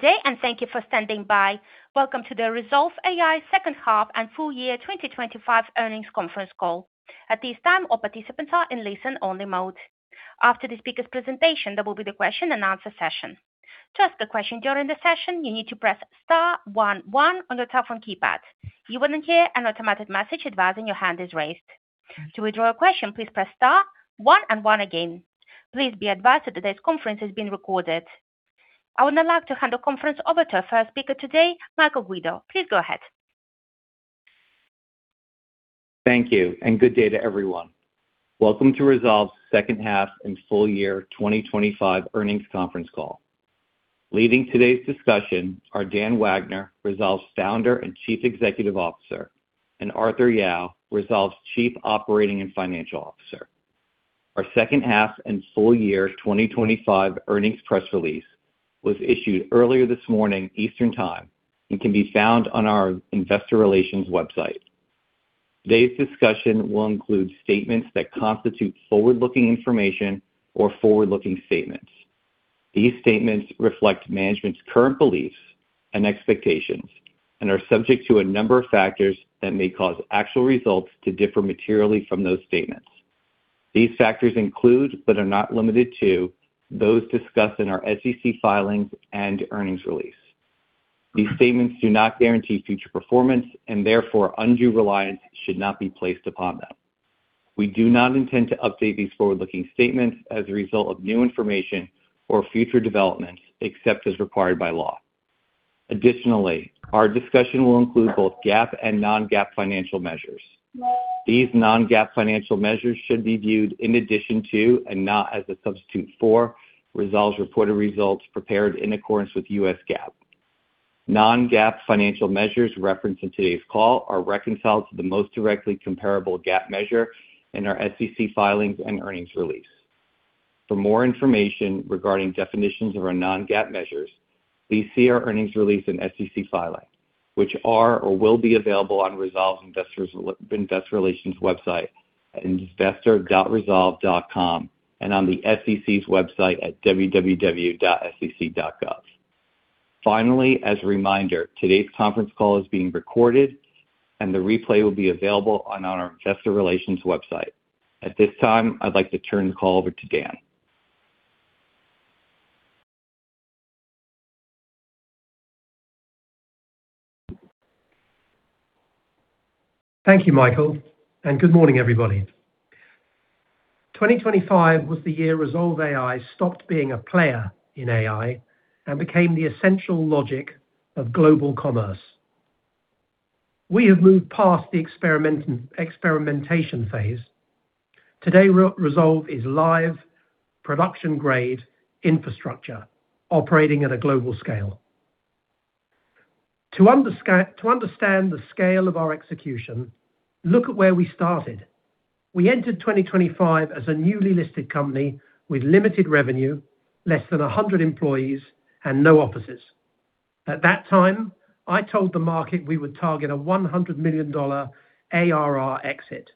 Good day and thank you for standing by. Welcome to the Rezolve AI second half and full year 2025 earnings conference call. At this time, all participants are in listen-only mode. After the speaker's presentation, there will be the question and answer session. To ask a question during the session, you need to press star one one on your telephone keypad. You will then hear an automatic message advising your hand is raised. To withdraw your question, please press star one and one again. Please be advised that today's conference is being recorded. I would now like to hand the conference over to our first speaker today, Michael Guido. Please go ahead. Thank you and good day to everyone. Welcome to Rezolve's second half and full year 2025 earnings conference call. Leading today's discussion are Dan Wagner, Rezolve's Founder and Chief Executive Officer, and Arthur Yao, Rezolve's Chief Operating and Financial Officer. Our second half and full year 2025 earnings press release was issued earlier this morning, Eastern Time, and can be found on our investor relations website. Today's discussion will include statements that constitute forward-looking information or forward-looking statements. These statements reflect management's current beliefs and expectations and are subject to a number of factors that may cause actual results to differ materially from those statements. These factors include, but are not limited to, those discussed in our SEC filings and earnings release. These statements do not guarantee future performance, and therefore undue reliance should not be placed upon them. We do not intend to update these forward-looking statements as a result of new information or future developments except as required by law. Additionally, our discussion will include both GAAP and non-GAAP financial measures. These non-GAAP financial measures should be viewed in addition to and not as a substitute for Rezolve's reported results prepared in accordance with U.S. GAAP. Non-GAAP financial measures referenced in today's call are reconciled to the most directly comparable GAAP measure in our SEC filings and earnings release. For more information regarding definitions of our non-GAAP measures, please see our earnings release and SEC filings, which are or will be available on Rezolve's investor relations website at investor.rezolve.com and on the SEC's website at www.sec.gov. Finally, as a reminder, today's conference call is being recorded and the replay will be available on our investor relations website. At this time, I'd like to turn the call over to Dan. Thank you, Michael, and good morning, everybody. 2025 was the year Rezolve AI stopped being a player in AI and became the essential logic of global commerce. We have moved past the experimentation phase. Today, Rezolve is live production-grade infrastructure operating at a global scale. To understand the scale of our execution, look at where we started. We entered 2025 as a newly listed company with limited revenue, less than 100 employees and no offices. At that time, I told the market we would target a $100 million ARR exit.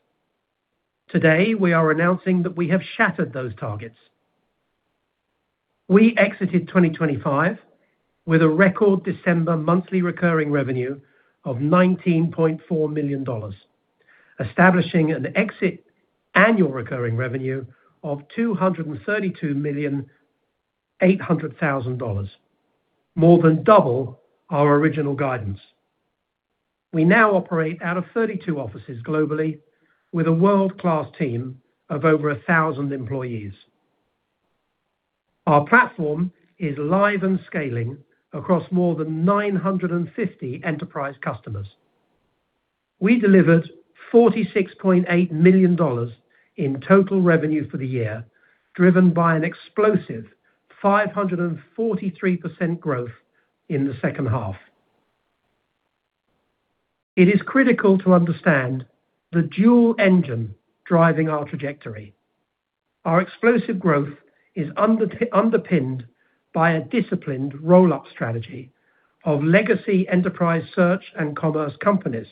Today, we are announcing that we have shattered those targets. We exited 2025 with a record December monthly recurring revenue of $19.4 million, establishing an exit annual recurring revenue of $232.8 million, more than double our original guidance. We now operate out of 32 offices globally with a world-class team of over 1,000 employees. Our platform is live and scaling across more than 950 enterprise customers. We delivered $46.8 million in total revenue for the year, driven by an explosive 543% growth in the second half. It is critical to understand the dual engine driving our trajectory. Our explosive growth is underpinned by a disciplined roll-up strategy of legacy enterprise search and commerce companies.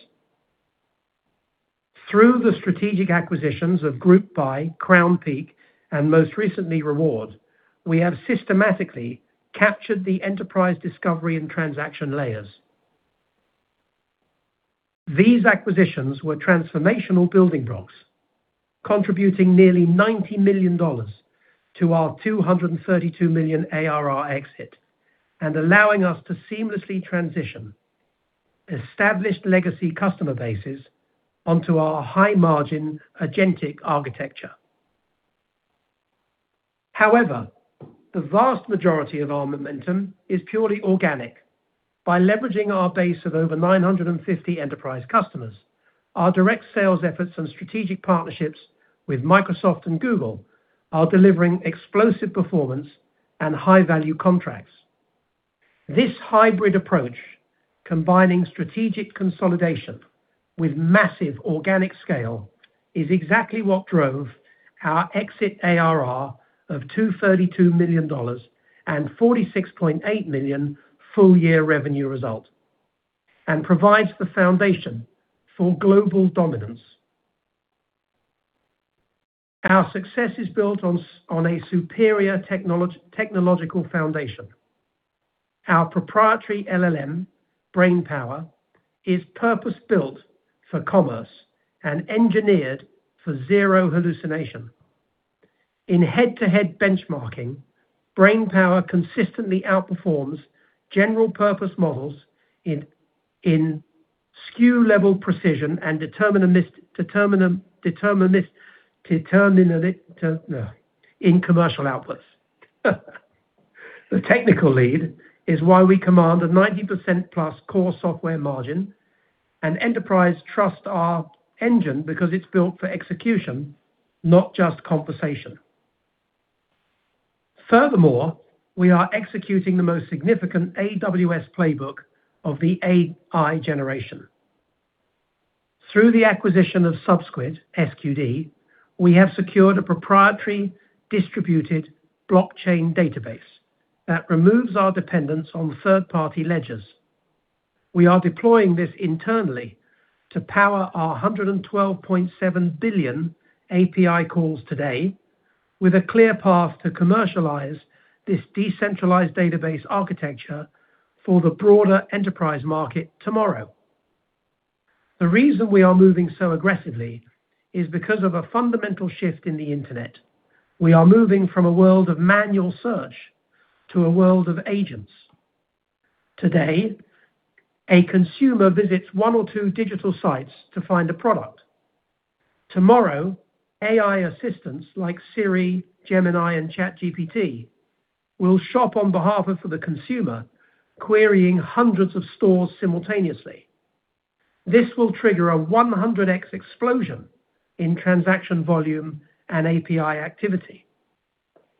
Through the strategic acquisitions of GroupBy, Crownpeak and most recently Reward, we have systematically captured the enterprise discovery and transaction layers. These acquisitions were transformational building blocks, contributing nearly $90 million to our $232 million ARR exit and allowing us to seamlessly transition established legacy customer bases onto our high-margin agentic architecture. However, the vast majority of our momentum is purely organic. By leveraging our base of over 950 enterprise customers, our direct sales efforts and strategic partnerships with Microsoft and Google are delivering explosive performance and high-value contracts. This hybrid approach, combining strategic consolidation with massive organic scale, is exactly what drove our exit ARR of $232 million and $46.8 million full-year revenue result and provides the foundation for global dominance. Our success is built on a superior technological foundation. Our proprietary LLM BrainPower is purpose-built for commerce and engineered for zero hallucination. In head-to-head benchmarking, BrainPower consistently outperforms general purpose models in SKU level precision and determinism in commercial outputs. The technical lead is why we command a 90%+ core software margin and enterprise trust in our engine because it's built for execution, not just conversation. Furthermore, we are executing the most significant AWS playbook of the AI generation. Through the acquisition of Subsquid, SQD, we have secured a proprietary distributed blockchain database that removes our dependence on third-party ledgers. We are deploying this internally to power our 112.7 billion API calls today with a clear path to commercialize this decentralized database architecture for the broader enterprise market tomorrow. The reason we are moving so aggressively is because of a fundamental shift in the Internet. We are moving from a world of manual search to a world of agents. Today, a consumer visits one or two digital sites to find a product. Tomorrow, AI assistants like Siri, Gemini, and ChatGPT will shop on behalf of the consumer, querying hundreds of stores simultaneously. This will trigger a 100x explosion in transaction volume and API activity.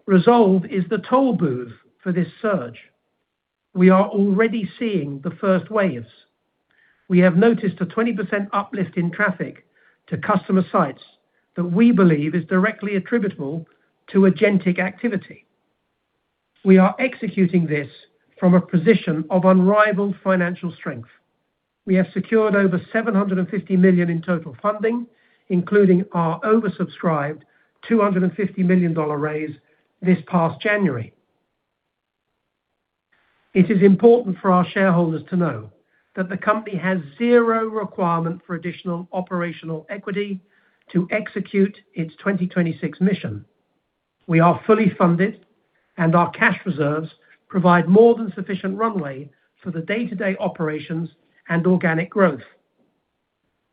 Rezolve is the toll booth for this surge. We are already seeing the first waves. We have noticed a 20% uplift in traffic to customer sites that we believe is directly attributable to agentic activity. We are executing this from a position of unrivaled financial strength. We have secured over $750 million in total funding, including our oversubscribed $250 million raise this past January. It is important for our shareholders to know that the company has zero requirement for additional operational equity to execute its 2026 mission. We are fully funded, and our cash reserves provide more than sufficient runway for the day-to-day operations and organic growth.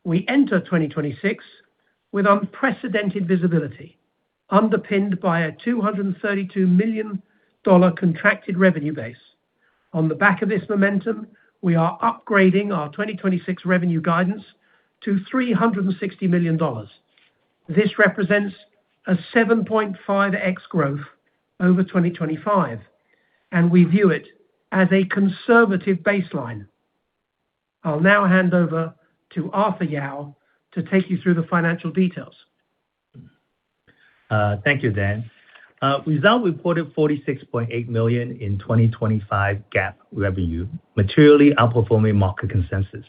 We enter 2026 with unprecedented visibility, underpinned by a $232 million contracted revenue base. On the back of this momentum, we are upgrading our 2026 revenue guidance to $360 million. This represents a 7.5x growth over 2025, and we view it as a conservative baseline. I'll now hand over to Arthur Yao to take you through the financial details. Thank you, Dan. Rezolve reported $46.8 million in 2025 GAAP revenue, materially outperforming market consensus.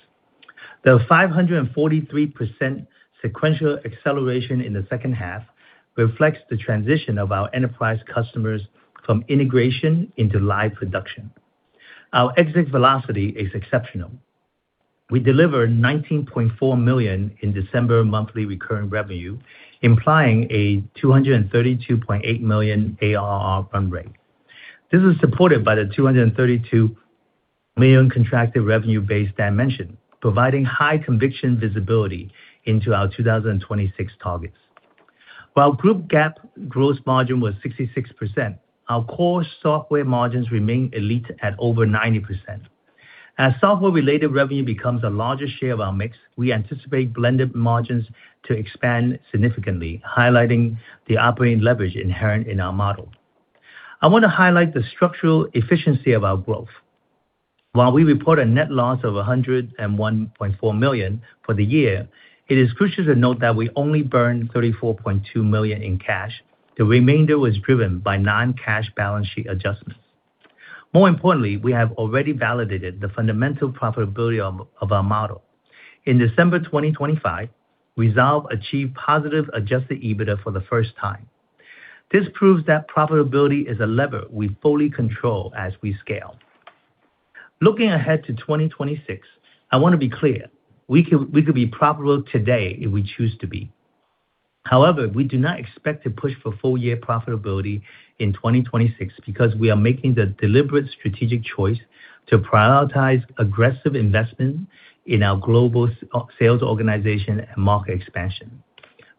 The 543% sequential acceleration in the second half reflects the transition of our enterprise customers from integration into live production. Our exit velocity is exceptional. We delivered $19.4 million in December monthly recurring revenue, implying a $232.8 million ARR run rate. This is supported by the $232 million contracted revenue base dimension, providing high conviction visibility into our 2026 targets. While group GAAP gross margin was 66%, our core software margins remain elite at over 90%. As software-related revenue becomes a larger share of our mix, we anticipate blended margins to expand significantly, highlighting the operating leverage inherent in our model. I want to highlight the structural efficiency of our growth. While we report a net loss of $101.4 million for the year, it is crucial to note that we only burned $34.2 million in cash. The remainder was driven by non-cash balance sheet adjustments. More importantly, we have already validated the fundamental profitability of our model. In December 2025, Rezolve achieved positive Adjusted EBITDA for the first time. This proves that profitability is a lever we fully control as we scale. Looking ahead to 2026, I want to be clear, we could be profitable today if we choose to be. However, we do not expect to push for full year profitability in 2026 because we are making the deliberate strategic choice to prioritize aggressive investment in our global sales organization and market expansion.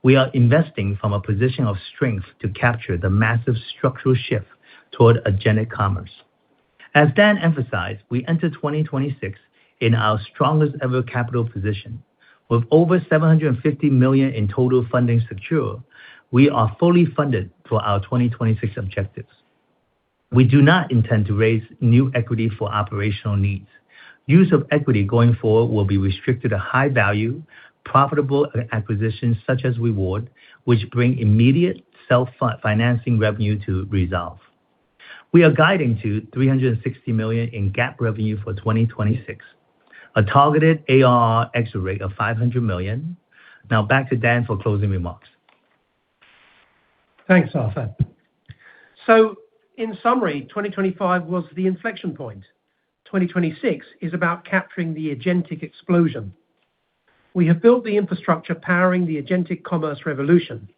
We are investing from a position of strength to capture the massive structural shift toward agentic commerce. As Dan emphasized, we enter 2026 in our strongest ever capital position. With over $750 million in total funding secure, we are fully funded for our 2026 objectives. We do not intend to raise new equity for operational needs. Use of equity going forward will be restricted to high value, profitable acquisitions such as Reward, which bring immediate self-financing revenue to Rezolve. We are guiding to $360 million in GAAP revenue for 2026. A targeted ARR exit rate of $500 million. Now back to Dan for closing remarks. Thanks, Arthur. In summary, 2025 was the inflection point. 2026 is about capturing the agentic explosion. We have built the infrastructure powering the agentic commerce revolution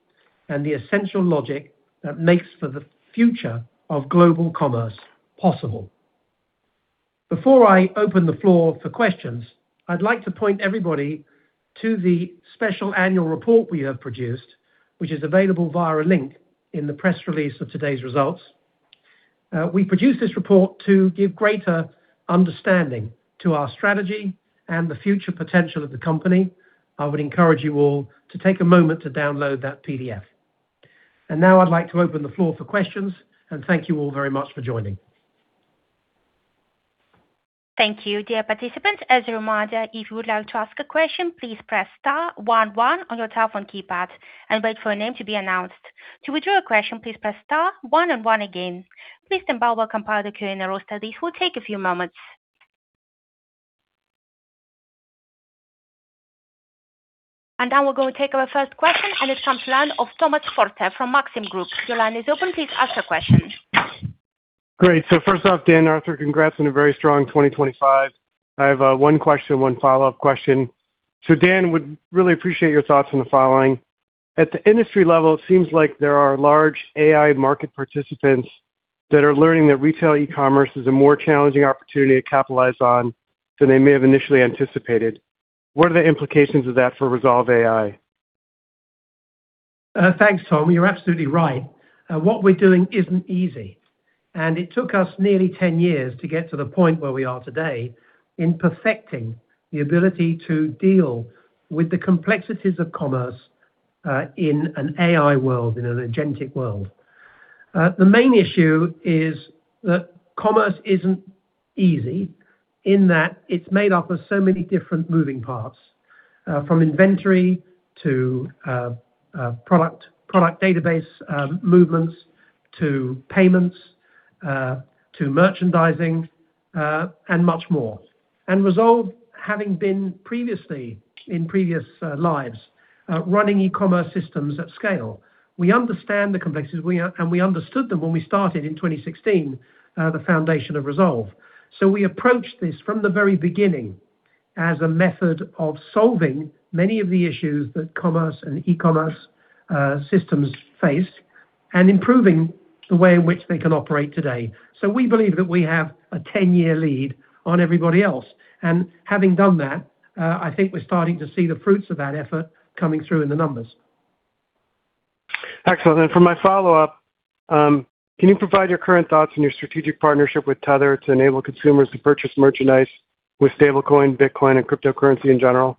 and the essential logic that makes for the future of global commerce possible. Before I open the floor for questions, I'd like to point everybody to the special annual report we have produced, which is available via a link in the press release of today's results. We produced this report to give greater understanding to our strategy and the future potential of the company. I would encourage you all to take a moment to download that PDF. Now I'd like to open the floor for questions and thank you all very much for joining. Thank you. Dear participants, as a reminder, if you would like to ask a question, please press star one one on your telephone keypad and wait for a name to be announced. To withdraw a question, please press star one and one again. Please stand by while we compile the queue from the roster. This will take a few moments. Now we're going to take our first question, and it's from the line of Thomas Forte from Maxim Group. Your line is open. Please ask your question. Great. First off, Dan, Arthur, congrats on a very strong 2025. I have one question, one follow-up question. Dan, would really appreciate your thoughts on the following. At the industry level, it seems like there are large AI market participants that are learning that retail e-commerce is a more challenging opportunity to capitalize on than they may have initially anticipated. What are the implications of that for Rezolve AI? Thanks, Tom. You're absolutely right. What we're doing isn't easy, and it took us nearly 10 years to get to the point where we are today in perfecting the ability to deal with the complexities of commerce in an AI world, in an agentic world. The main issue is that commerce isn't easy in that it's made up of so many different moving parts, from inventory to product database, movements to payments, to merchandising, and much more. Rezolve, having been previously in previous lives, running e-commerce systems at scale. We understand the complexities, and we understood them when we started in 2016, the foundation of Rezolve. We approached this from the very beginning as a method of solving many of the issues that commerce and e-commerce systems face and improving the way in which they can operate today. We believe that we have a 10-year lead on everybody else. Having done that, I think we're starting to see the fruits of that effort coming through in the numbers. Excellent. For my follow-up, can you provide your current thoughts on your strategic partnership with Tether to enable consumers to purchase merchandise with Stablecoin, Bitcoin and cryptocurrency in general?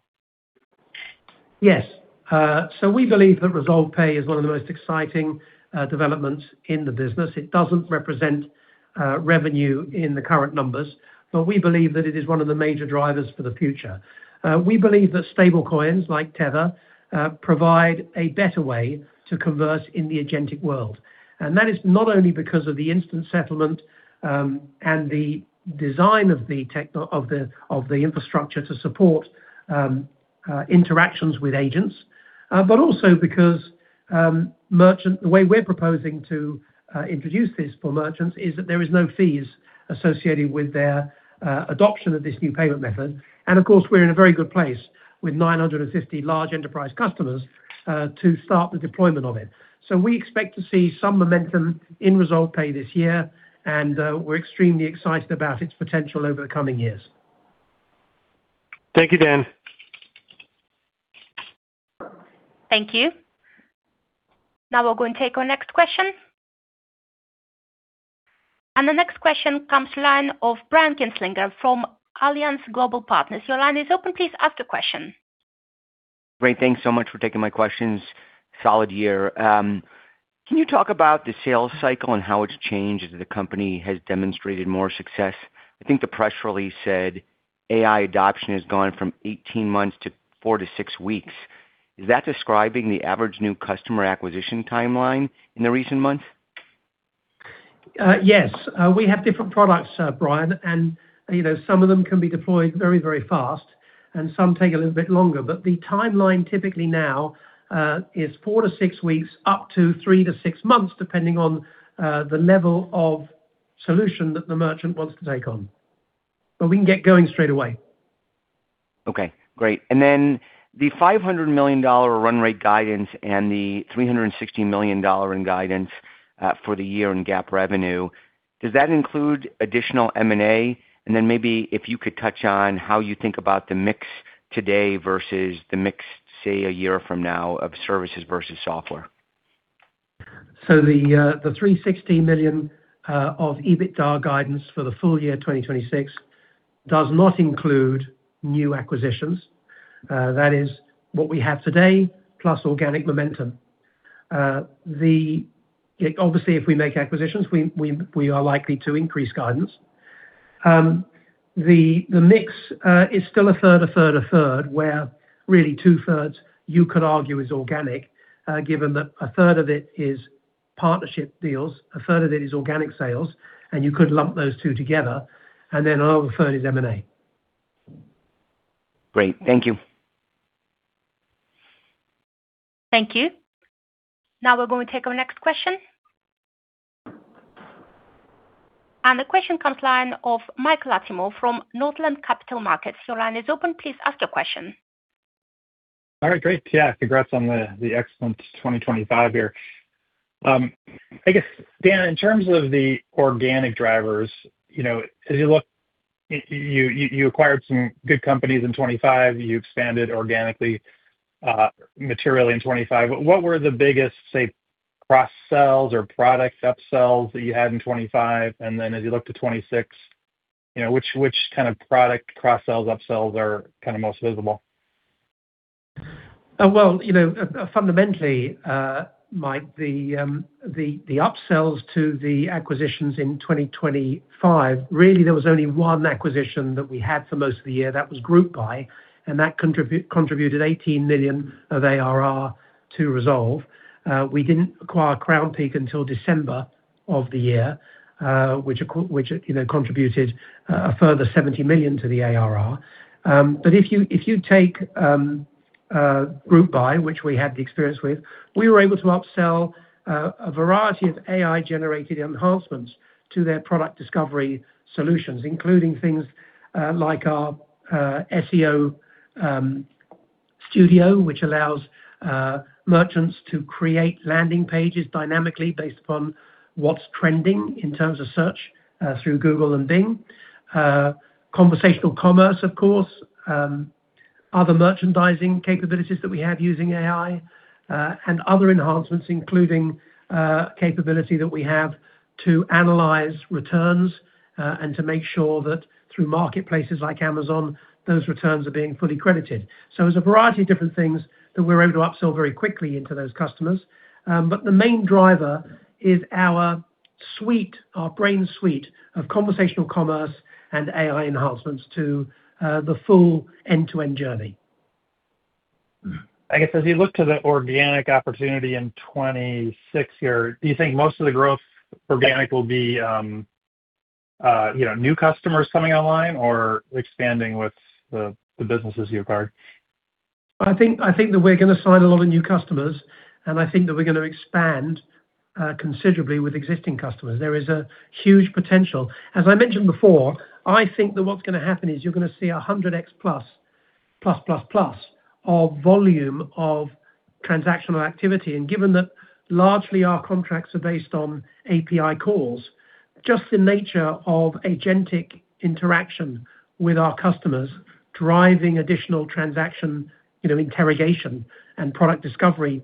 Yes. So we believe that Rezolve Pay is one of the most exciting developments in the business. It doesn't represent revenue in the current numbers, but we believe that it is one of the major drivers for the future. We believe that stablecoins like Tether provide a better way to converse in the agentic world. That is not only because of the instant settlement and the design of the infrastructure to support interactions with agents, but also because the way we're proposing to introduce this for merchants is that there is no fees associated with their adoption of this new payment method. Of course, we're in a very good place with 950 large enterprise customers to start the deployment of it. We expect to see some momentum in Rezolve Pay this year, and we're extremely excited about its potential over the coming years. Thank you, Dan. Thank you. Now we'll go and take our next question. The next question comes from the line of Brian Kinstlinger from Alliance Global Partners. Your line is open. Please ask the question. Great. Thanks so much for taking my questions. Solid year. Can you talk about the sales cycle and how it's changed as the company has demonstrated more success? I think the press release said AI adoption has gone from 18 months to 4-6 weeks. Is that describing the average new customer acquisition timeline in the recent months? Yes. We have different products, Brian, and, you know, some of them can be deployed very, very fast, and some take a little bit longer. The timeline typically now is 4-6 weeks, up to 3-6 months, depending on the level of solution that the merchant wants to take on. We can get going straight away. Okay, great. The $500 million run rate guidance and the $360 million in guidance for the year in GAAP revenue, does that include additional M&A? Maybe if you could touch on how you think about the mix today versus the mix, say, a year from now of services versus software? The $360 million of EBITDA guidance for the full year 2026 does not include new acquisitions. That is what we have today, plus organic momentum. Obviously, if we make acquisitions, we are likely to increase guidance. The mix is still a third, where really two thirds you could argue is organic, given that a third of it is partnership deals, a third of it is organic sales, and you could lump those two together, and then another third is M&A. Great. Thank you. Thank you. Now we're going to take our next question. The question comes from the line of Michael Latimore from Northland Capital Markets. Your line is open. Please ask your question. All right, great. Yeah, congrats on the excellent 2025 year. I guess, Dan, in terms of the organic drivers, you know, as you look, you acquired some good companies in 2025. You expanded organically, materially in 2025. What were the biggest, say, cross sells or product upsells that you had in 2025? As you look to 2026, you know, which kind of product cross sells, upsells are kind of most visible? Well, you know, fundamentally, Mike, the upsells to the acquisitions in 2025, really, there was only one acquisition that we had for most of the year. That was GroupBy, and that contributed $18 million of ARR to Rezolve. We didn't acquire Crownpeak until December of the year, which, you know, contributed a further $70 million to the ARR. But if you take GroupBy, which we had the experience with, we were able to upsell a variety of AI-generated enhancements to their product discovery solutions, including things like our SEO studio, which allows merchants to create landing pages dynamically based upon what's trending in terms of search through Google and Bing. Conversational commerce, of course. Other merchandising capabilities that we have using AI and other enhancements, including capability that we have to analyze returns and to make sure that through marketplaces like Amazon, those returns are being fully credited. There's a variety of different things that we're able to upsell very quickly into those customers. The main driver is our suite, our Brain Suite of conversational commerce and AI enhancements to the full end-to-end journey. I guess as you look to the organic opportunity in 2026 here, do you think most of the growth organic will be, you know, new customers coming online or expanding with the businesses you acquired? I think that we're gonna sign a lot of new customers, and I think that we're gonna expand considerably with existing customers. There is a huge potential. As I mentioned before, I think that what's gonna happen is you're gonna see 100x plus of volume of transactional activity. Given that largely our contracts are based on API calls, just the nature of agentic interaction with our customers, driving additional transaction, you know, product discovery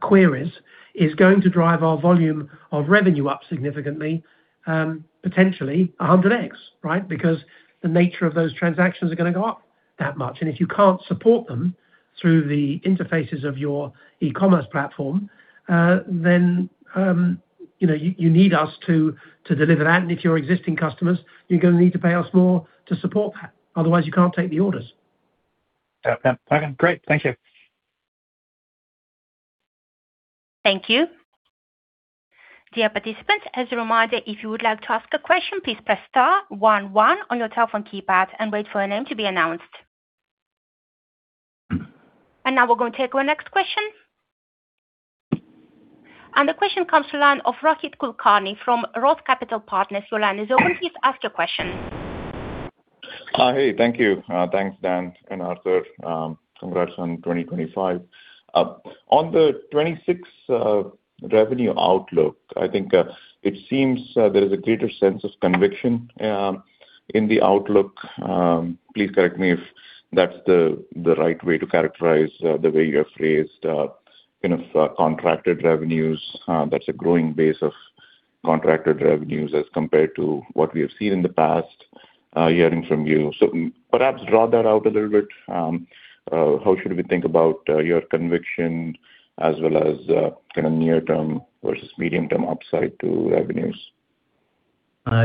queries, is going to drive our volume of revenue up significantly, potentially 100x, right? Because the nature of those transactions are gonna go up that much. If you can't support them through the interfaces of your e-commerce platform, then you know, you need us to deliver that. If you're existing customers, you're gonna need to pay us more to support that. Otherwise, you can't take the orders. Yeah. Okay. Great. Thank you. Thank you. Dear participants, as a reminder, if you would like to ask a question, please press star one one on your telephone keypad and wait for your name to be announced. Now we're gonna take our next question. The question comes to line of Rohit Kulkarni from Roth Capital Partners. Your line is open. Please ask your question. Hey. Thank you. Thanks, Dan and Arthur. Congrats on 2025. On the 2026 revenue outlook, I think it seems there is a greater sense of conviction in the outlook. Please correct me if that's the right way to characterize the way you have phrased, you know, contracted revenues. That's a growing base of contracted revenues as compared to what we have seen in the past, hearing from you. Perhaps draw that out a little bit. How should we think about your conviction as well as kind of near term versus medium term upside to revenues?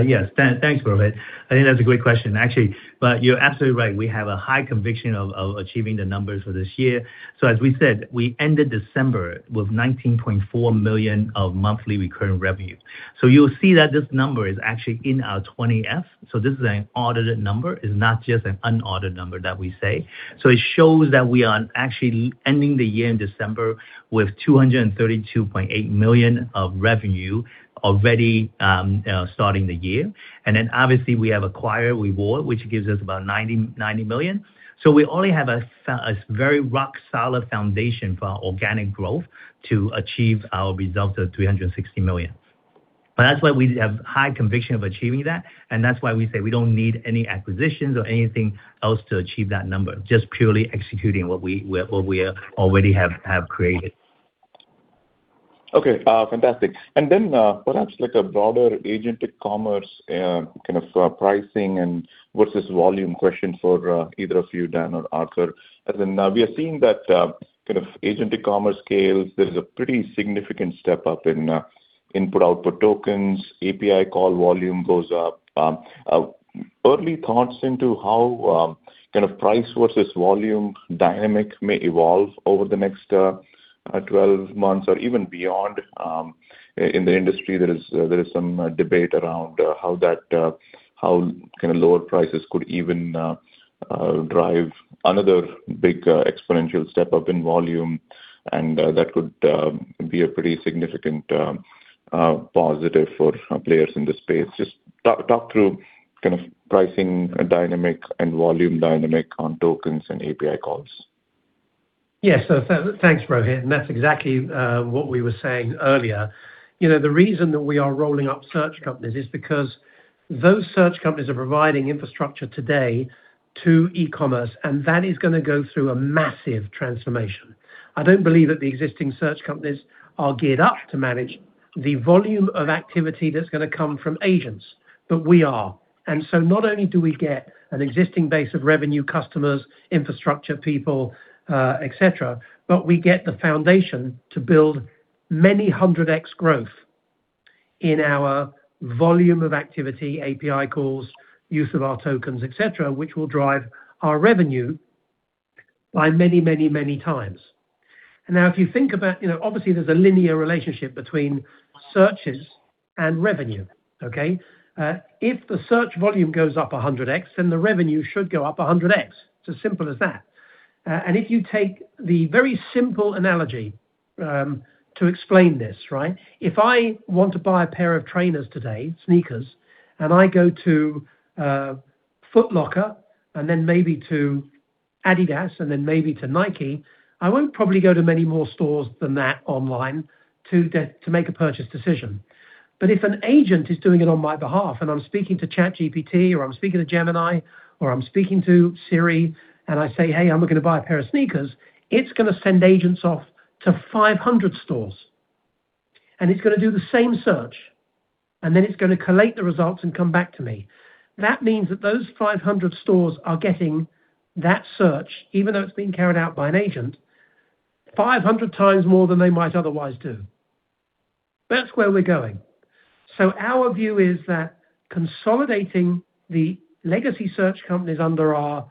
Yes. Thanks, Rohit. I think that's a great question, actually. You're absolutely right. We have a high conviction of achieving the numbers for this year. As we said, we ended December with $19.4 million of monthly recurring revenue. You'll see that this number is actually in our 20-F. This is an audited number. It's not just an unaudited number that we say. It shows that we are actually ending the year in December with $232.8 million of revenue already, starting the year. Obviously we have acquired Reward, which gives us about $90 million. We only have a very rock solid foundation for our organic growth to achieve our results of $360 million. That's why we have high conviction of achieving that, and that's why we say we don't need any acquisitions or anything else to achieve that number, just purely executing what we already have created. Okay, fantastic. Perhaps like a broader agent commerce kind of pricing and versus volume question for either of you, Dan or Arthur. As in now we are seeing that kind of agent commerce scales, there's a pretty significant step up in input/output tokens, API call volume goes up. Early thoughts into how kind of price versus volume dynamic may evolve over the next 12 months or even beyond, in the industry there is some debate around how that kind of lower prices could even drive another big exponential step up in volume, and that could be a pretty significant positive for players in the space. Just talk through kind of pricing dynamic and volume dynamic on tokens and API calls. Yes. Thanks, Rohit. That's exactly what we were saying earlier. You know, the reason that we are rolling up search companies is because those search companies are providing infrastructure today to e-commerce, and that is gonna go through a massive transformation. I don't believe that the existing search companies are geared up to manage the volume of activity that's gonna come from agents, but we are. Not only do we get an existing base of revenue customers, infrastructure people, et cetera, but we get the foundation to build many hundred X growth in our volume of activity, API calls, use of our tokens, et cetera, which will drive our revenue by many, many, many times. Now, if you think about, you know, obviously there's a linear relationship between searches and revenue, okay? If the search volume goes up 100x, then the revenue should go up 100x. It's as simple as that. If you take the very simple analogy to explain this, right? If I want to buy a pair of trainers today, sneakers, and I go to Foot Locker and then maybe to Adidas and then maybe to Nike, I won't probably go to many more stores than that online to make a purchase decision. If an agent is doing it on my behalf, and I'm speaking to ChatGPT, or I'm speaking to Gemini, or I'm speaking to Siri, and I say, "Hey, I'm looking to buy a pair of sneakers," it's gonna send agents off to 500 stores, and it's gonna do the same search, and then it's gonna collate the results and come back to me. That means that those 500 stores are getting that search, even though it's been carried out by an agent, 500 times more than they might otherwise do. That's where we're going. Our view is that consolidating the legacy search companies under our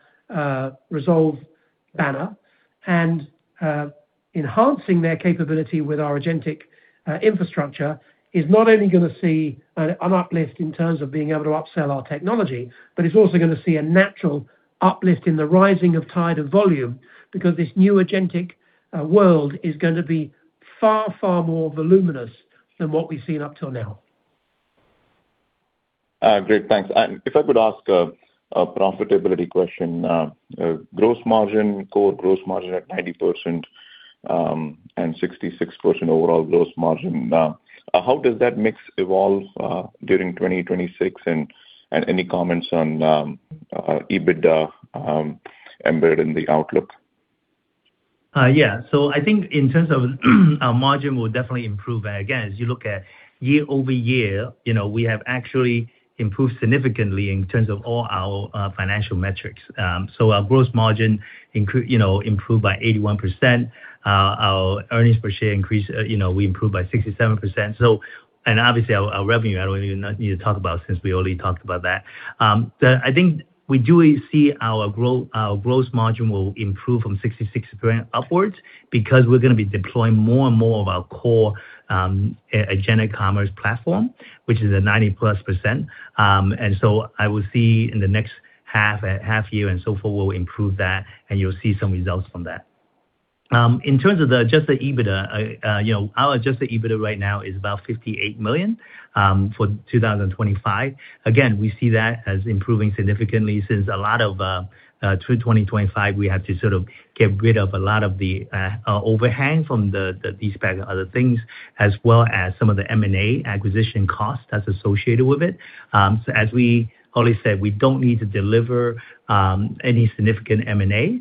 Rezolve banner and enhancing their capability with our agentic infrastructure is not only gonna see an uplift in terms of being able to upsell our technology, but it's also gonna see a natural uplift in the rising of tide of volume because this new agentic world is gonna be far, far more voluminous than what we've seen up till now. Great. Thanks. If I could ask a profitability question, gross margin, core gross margin at 90%, and 66% overall gross margin, how does that mix evolve during 2026? Any comments on EBITDA embedded in the outlook? I think in terms of our margin will definitely improve. Again, as you look at year-over-year, you know, we have actually improved significantly in terms of all our financial metrics. Our gross margin, you know, improved by 81%. Our earnings per share increased, you know, we improved by 67%. Obviously our revenue, I don't even not need to talk about since we already talked about that. I think we do see our gross margin will improve from 66 upwards, because we're gonna be deploying more and more of our core agent commerce platform, which is at 90%+. I will see in the next half year and so forth, we'll improve that, and you'll see some results from that. In terms of the Adjusted EBITDA, you know, our Adjusted EBITDA right now is about $58 million for 2025. Again, we see that as improving significantly since a lot of through 2025, we had to sort of get rid of a lot of the overhang from the de-SPAC other things, as well as some of the M&A acquisition cost that's associated with it. As we already said, we don't need to deliver any significant M&A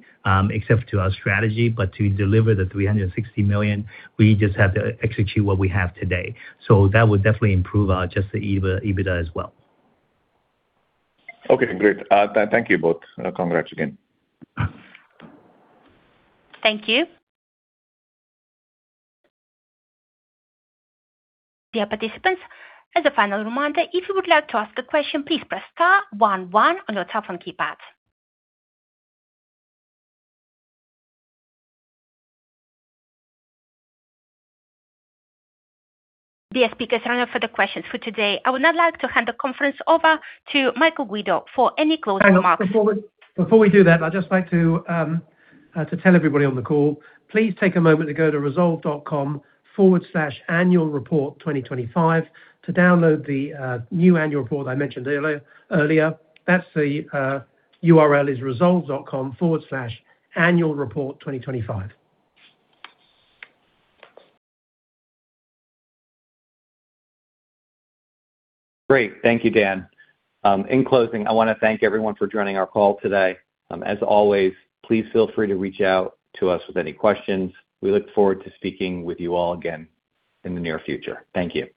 except to our strategy, but to deliver the $360 million, we just have to execute what we have today. That would definitely improve our Adjusted EBITDA as well. Okay, great. Thank you both. Congrats again. Thank you. Dear participants, as a final reminder, if you would like to ask a question, please press star one one on your telephone keypad. Dear speakers, thank you for the questions for today. I would now like to hand the conference over to Michael Guido for any closing remarks. Hang on. Before we do that, I'd just like to tell everybody on the call, please take a moment to go to rezolve.com/annualreport2025 to download the new annual report I mentioned earlier. That's the URL, rezolve.com/annualreport2025. Great. Thank you, Dan. In closing, I wanna thank everyone for joining our call today. As always, please feel free to reach out to us with any questions. We look forward to speaking with you all again in the near future. Thank you.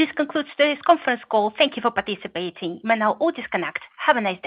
This concludes today's conference call. Thank you for participating. You may now all disconnect. Have a nice day.